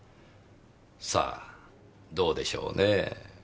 さあどうでしょうね？